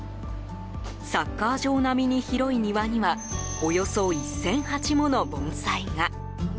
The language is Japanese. サッカー場並みに広い庭にはおよそ１０００鉢もの盆栽が。